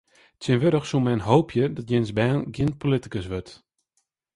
Tsjintwurdich soe men hoopje dat jins bern gjin politikus wurdt.